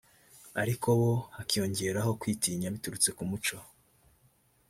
ariko bo hakiyongeraho kwitinya biturutse ku muco